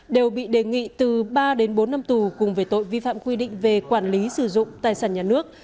đều bị đề nghị từ ba đến bốn năm tù cùng về tội vi phạm quy định về quản lý sử dụng tài sản nhà nước